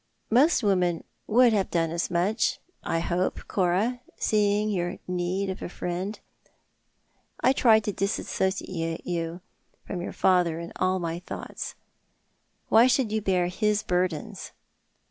"Most women would have done as much, I hope, Cora, seeing your need of a friend. I tried to dissociate you from your father in all my thoughts. "Why should you bear his burdens